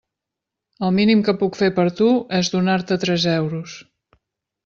El mínim que puc fer per tu és donar-te tres euros.